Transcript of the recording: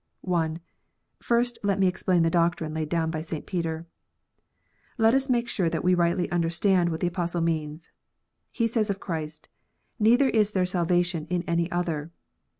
I. First, let me explain the doctrine laid down ly St. Peter. Let us make sure that we rightly understand what the Apostle means. He says of Christ, " Neither is there salvation in any other."